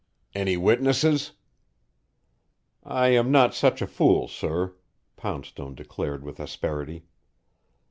"Any witnesses?" "I am not such a fool, sir," Poundstone declared with asperity.